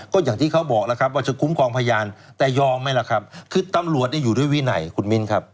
ก็อย่างที่เขาบอกแล้วครับว่าจะคุ้มครองพยานแต่ยอมไหมล่ะครับคือตำรวจอยู่ด้วยวินัยคุณมิ้นครับ